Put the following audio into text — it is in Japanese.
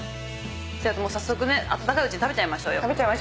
もう早速ね温かいうちに食べちゃいましょうよ。